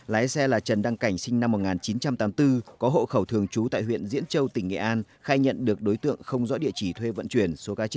lái xe là trần đăng cảnh sinh năm một nghìn chín trăm tám mươi bốn có hộ khẩu thường trú tại huyện diễn châu tỉnh nghệ an khai nhận được đối tượng không rõ địa chỉ thuê vận chuyển số gà trên